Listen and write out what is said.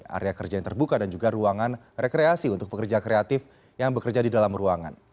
area kerja yang terbuka dan juga ruangan rekreasi untuk pekerja kreatif yang bekerja di dalam ruangan